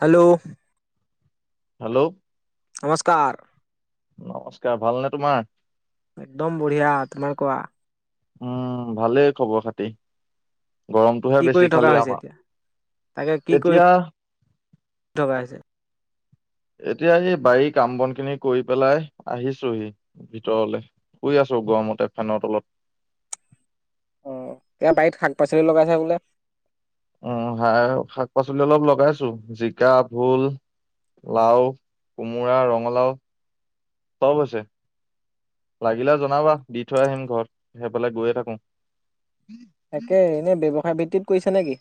Hello. Hello. নমস্কাৰ। নমস্কাৰ ভালনে তোমাৰ একদম বঢ়িয়া, তোমাৰ কোৱা। উম ভালেই খবৰ-খাতি। কি কৰি থকা হৈছে এতিয়া? তাকে কি এতিয়া কৰি থকা হৈছে? এতিয়া এই বাৰীৰ কাম-বনখিনি কৰি পেলাই আহিছোহি ভিতৰলে, শুই আছোঁ গৰমতে ফেনৰ তলত। অ' এয়া বাৰীত শাক-পাচলি লগাইছা বোলে। উম শাক-পাচলি অলপ লগাইছো। জিকা, ভোল, লাও, কোমোৰা, ৰঙালাও, চব হৈছে। লাগিলে জনাবা, দি থৈ আহিম ঘৰত, সেইফালে গৈয়ে থাকো। তাকে এনে ব্যৱসায় ভিত্তিত কৈছা নেকি?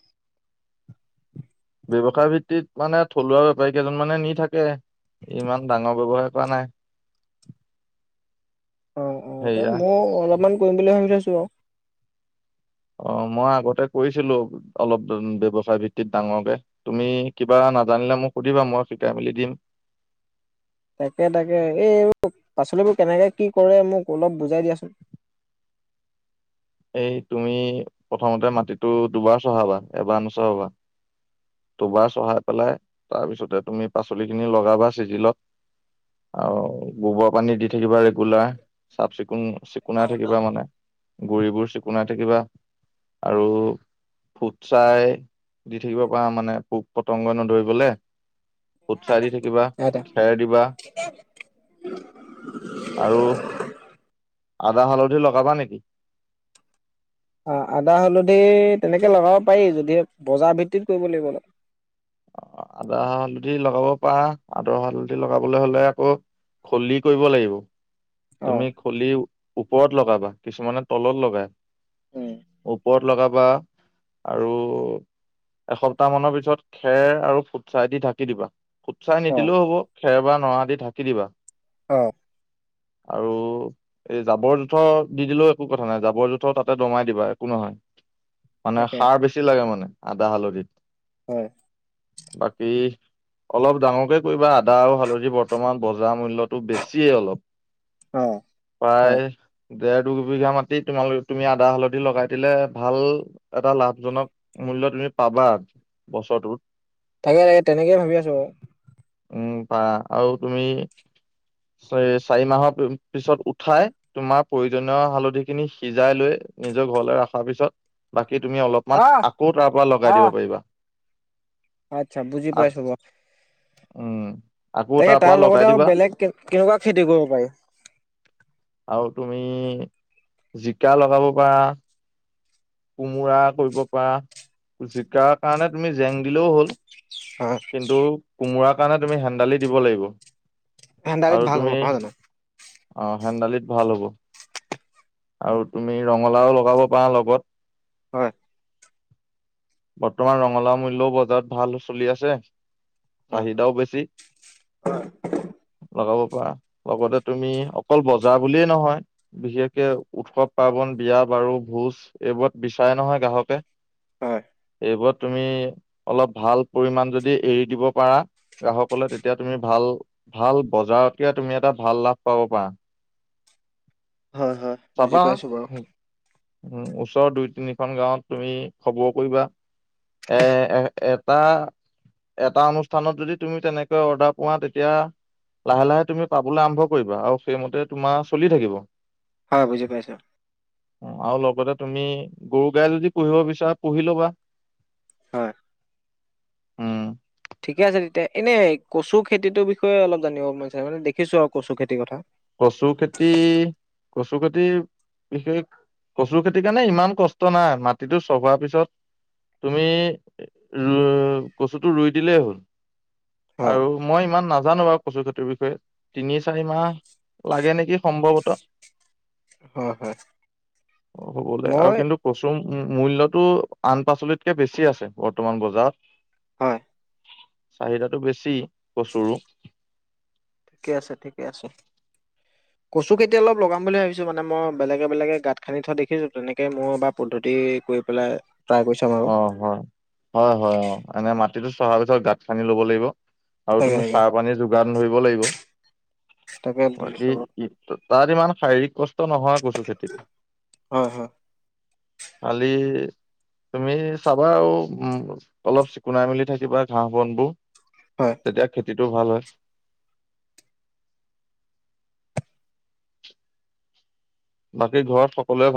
ব্যৱসায় ভিত্তিত মানে থলুৱা বেপাৰী কেইজনমানে নি থাকে। ইমান ডাঙৰ ব্যৱসায় কৰা নাই। অ' অ' সেয়া এতিয়া মও অলপমান কৰিম বুলি ভাবি থৈছোঁ। [unintelligible] অ' মই আগতে কৰিছিলোঁ, অলপ ব্যযৱসায় ভিত্তিত ডাঙৰকে। তুমি কিবা নাজানিলে মোক সুধিবা মই শিকাই মেলি দিম। তাকে তাকে, এইবোৰ পাচলিবোৰ কেনেকে কি কৰে মোক অলপ বুজাই দিয়াচোন। এই তুমি প্ৰথমতে মাটিটো দুবাৰ চহাবা, এবাৰ নচহাবা। দুবাৰ চহাই পেলাই তাৰপিছতে তুমি পাচলিখিনি লগাবা চিজিলত, আৰু গোবৰপানী দি থাকিবা ৰেগুলাৰ চাফ-চিকুণ। চিকুণাই থাকিবা মানে। গুৰিবোৰ চিকণাই থাকিবা আৰু ফুটচাই। দি থাকিব পাৰা মানে পোক পতংগ নধৰে। বোলে। ফুটচায় দি থাকিবা আদা খেৰ দিবা আৰু। আদা হালধি লগাবা নেকি। অ' আদা হালধি, তেনেকে লগাব পাৰি যদিহে বজাৰ ভিত্তিত কৰিব লাগিব। আদা হালধি লগাব পাৰা, আদাৰ হালধি লগাবলৈ হলে আকৌ খুলি কৰিব লাগিব। অ তুমি খুলি। ওপৰত লগাবা, কিছুমানে তলত লগাই। উম ওপৰত লগাবা আৰু এসপ্তাহ মানৰ পিছত। খেৰ আৰু ফুটচাই দি ঢাকি দিবা। ফুটচাই অ নিদিলেও হব, খেৰ বা নৰা দি থাকে। দিবা অ' আৰু এই জাবৰ জোথৰ দি দিলেও একো কথা নাই, জাবৰ জোঁথৰ তাতে দমাই দিবা একো নহয়। মানে তাকে সাৰ বেছি লাগে মানে। আদা হালধিত। হয়। বাকী--অলপ ডাঙৰকে কৰিবা, আদা আৰু হালধি বৰ্তমান বজাৰ মূল্যটো বেছিয়ে অলপ। অ হয় পায়। দেৰ দুবিঘা মাটি তোমালোকে তুমি আদা হালধি লগাই দিলে ভাল এটা লাভজনক মূল্য তুমি পাবা। চল [unintelligible] তাকে তেনেকেই ভাবি আছো বাৰু। উম পাৰা, আৰু তুমি চাৰি মাহৰ পিছত উঠাই তোমাৰ প্ৰয়োজনীয় হালধি খিনি সিজাই লৈ নিজৰ ঘৰলৈ ৰখাৰ পিছত। তুমি অ অলপমান আকৌ তাৰ পৰা লগাই অ দিব পাৰিবা। আচ্ছা বুজি আক পাইছো বাৰু। উম। আকৌ তাকে পৰা তাৰ লগাই লগতে আৰু দিবা বেলেগ কেনেকুৱা খেতি কৰিব পাৰি? আৰু তুমি জিকা লগাব পাৰা, কোমোৰা কৰিব পাৰা, জিকাৰ কাৰণে তুমি জেং দিলেও হ'ল। অহ। মোৰাৰ কাৰণে তুমি হেন্দালি দিব লাগিব। হেন্দালি আৰু ভাল তুমি হ'ব-ভাল হ'ব। অ হেন্দালিত ভাল হ'ব, আৰু তুমি ৰঙালাও লগাব পাৰা লগত। [unintelligible] বৰ্তমান ৰঙালাও মূল্যয়ও বজাৰত ভাল চলি আছে। হয় চাহিদাও বেছি, লগাব লগতে তুমি অকল বজাৰ বুলিয়েই নহয়, বিশেষকে উৎসৱ পাৰ্বন বিয়া বাৰু ভোজ এইবোৰত বিচাৰে নহয় গ্ৰাহকে। হয়। তুমি অলপ ভাল পৰিমাণ যদি এৰি দিব পাৰা, গ্ৰাহকলে তেতিয়া তুমি ভাল-ভাল বজাৰতকে তুমি এটা ভাল লাভ পাব পাৰা। হয়-হয় বুজি পাইছো বাৰু। উ ওচৰৰ দুই তিনিখন গাঁৱত তুমি খবৰ কৰিবা এ-এ এটা-এটা অনুষ্ঠ স্থানত যদি তুমি তেনেকৈ অৰ্ডাৰ পোৱা তেতিয়া লাহে-লাহে তুমি পাবলৈ আৰম্ভ কৰিবা, আৰু সেইমতে তোমাৰ চলি থাকিব। হয় বুজি পাইছো। উম আৰু লগতে তুমি গৰু গাই যদি পুহিব বিচাৰা পুহি লবা। হয় ৷ উম ঠিকে আছে তেতিয়া এনেই কচু খেতিটো বিষয়ে অলপ জানিব মন আছে মানে দেখিছো আৰু কচু খেতিৰ কথা ৷ কচু খেতি কচু খেতিৰ বিশেষ কচু খেতি কাৰণে ইমান কষ্ট নাই মাটিটো চহোৱাৰ পিছত তুমি ৰু ইই কচুটো ৰুই দিলেই হ'ল হয় আৰু মই ইমান নাজানো বা কচু খেতিৰ বিষয়ে তিনি চাৰি মাহ লাগে নেকি সম্ভৱতঃ হয় হয়। অ হ'বলৈ আৰু মই কিন্তু কচুম উম মূল্যটো আন পাচলিতকে বেছি আছে বৰ্তমান বজাৰত হয় চাহিদাটো বেছি কচুৰো ৷ ঠিকে আছে ঠিকে আছে, কচু খেতি অলপ লগাম বুলি ভাবিছো মানে মই বেলেগে বেলেগে গাঁত খান্দি থোৱা দেখিছো তেনেকে মই এবা পদ্ধতি কৰি পেলাই ট্ৰাই কৰি চাম আৰু। অ হয়-হয়-হয় অ এনে মাত তিটো চহা পিছত গাত খান্দি ল'ব লাগিব ৷ আৰু তাকে তুমি তাকে চাহ পানীৰ যোগ গান ধৰিব লাগিব৷ তাকে বাকী বুজিছো বাৰু। ইটো তাত ইমান শাৰীৰিক কচ টো নহয় কচু খেতিত ৷ হয় হয় কালি তুমি চাবা আৰু উম অলপ চিকুনাই মেলি থাকিবা ঘাঁহ বন হয় বোৰ৷ তেতিয়া খেতিত টো ভাল হয় ৷ বাকী ঘৰত সকলোৱে ভাল?